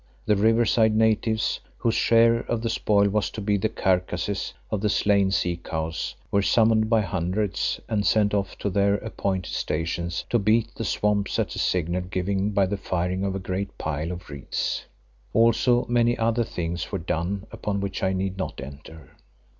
The riverside natives, whose share of the spoil was to be the carcases of the slain sea cows, were summoned by hundreds and sent off to their appointed stations to beat the swamps at a signal given by the firing of a great pile of reeds. Also many other things were done upon which I need not enter.